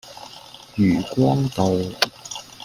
漁光道